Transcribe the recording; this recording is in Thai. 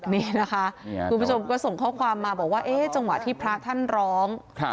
นี่นะคะคุณผู้ชมก็ส่งข้อความมาบอกว่าจังหวะที่พระท่านร้อง